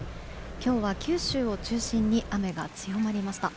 今日は九州を中心に雨が強まりました。